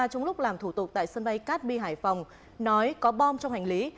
trong lúc làm thủ tục tại sân bay cát bi hải phòng nói có bom trong hành lý